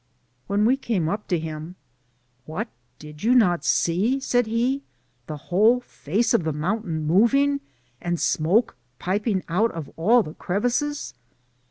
When we came up to him, " What, did you not see,'' said he, " the whole face of the mountain moving, and smoke piping out of all the crevices